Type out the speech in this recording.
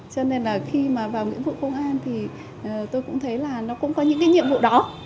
cho nên là khi mà vào nghĩa vụ công an thì tôi cũng thấy là nó cũng có những cái nhiệm vụ đó